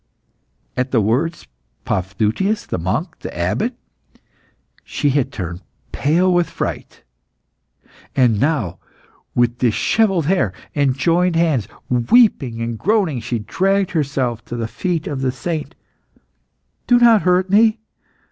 '" At the words, Paphnutius, monk, and abbot, she had turned pale with fright. And now, with dishevelled hair and joined hands, weeping and groaning, she dragged herself to the feet of the saint. "Do not hurt me!